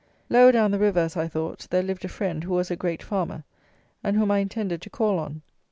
Lower down the river, as I thought, there lived a friend, who was a great farmer, and whom I intended to call on.